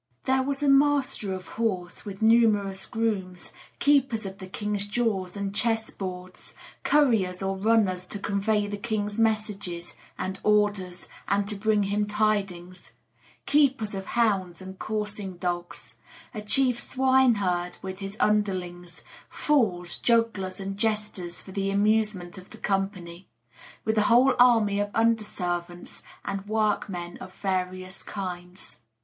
There was a master of horse, with numerous grooms; keepers of the king's jewels and chessboards; couriers or runners to convey the king's messages and orders, and to bring him tidings; keepers of hounds and coursing dogs; a chief swineherd, with his underlings; fools, jugglers, and jesters for the amusement of the company; with a whole army of under servants and workmen of various kinds.